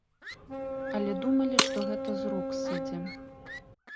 Але думалі, што гэта з рук сыдзе.